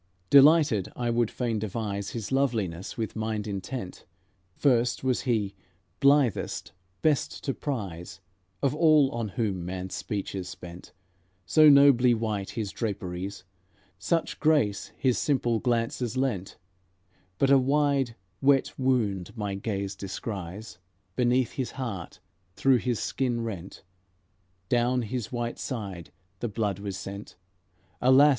Delighted, I would fain devise His loveliness, with mind intent: First was He, blithest, best to prize, Of all on whom man's speech is spent; So nobly white His draperies, Such grace His simple glances lent; But a wide, wet wound my gaze descries Beneath His heart, through His skin rent; Down His white side the blood was sent. Alas!